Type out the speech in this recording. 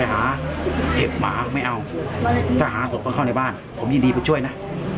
หมาไม่เอาจะหาสวนเข้าในบ้านผมยินดีพูดช่วยนะ